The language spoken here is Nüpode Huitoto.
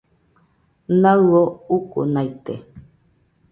Naɨio ukunaite